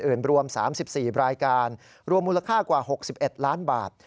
รวม๓๔รายการรวมมูลค่ากว่า๖๑ล้านบาท